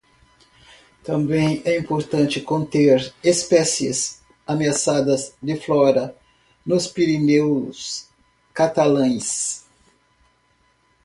Também é importante conter espécies ameaçadas de flora nos Pireneus catalães.